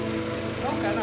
どうかな？